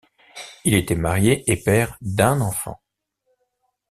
Il était marié et père d'un enfant.